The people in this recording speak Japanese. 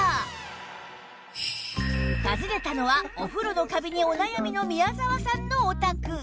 訪ねたのはお風呂のカビにお悩みの宮澤さんのお宅